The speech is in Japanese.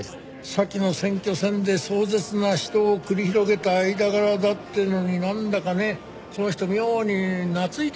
先の選挙戦で壮絶な死闘を繰り広げた間柄だっていうのになんだかねこの人妙に懐いてきてね。